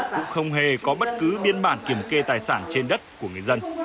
cũng không hề có bất cứ biên bản kiểm kê tài sản trên đất của người dân